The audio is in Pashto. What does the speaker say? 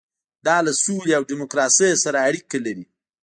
دا له سولې او ډیموکراسۍ سره اړیکه لري.